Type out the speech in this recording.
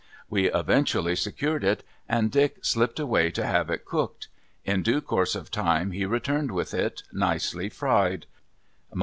We eventually secured it, and Dick slipped away to have it cooked. In due course of time he returned with it, nicely fried.